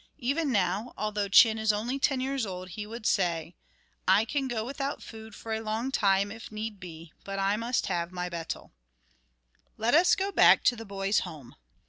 Even now, although Chin is only ten years old, he would say: "I can go without food for a long time, if need be, but I must have my betel." Let us go back to the boy's home.